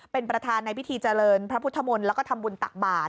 เป็นประธานในพิธีเจริญพระพุทธมนตร์แล้วก็ทำบุญตักบาท